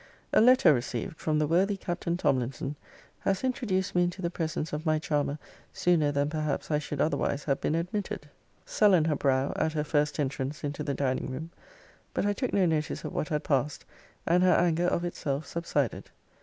A letter received from the worthy Captain Tomlinson has introduced me into the presence of my charmer sooner than perhaps I should otherwise have been admitted. Sullen her brow, at her first entrance into the dining room. But I took no notice of what had passed, and her anger of itself subsided.